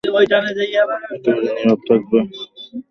একেবারে নীরব থাকবে।